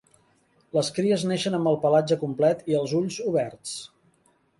Les cries neixen amb el pelatge complet i els ulls oberts.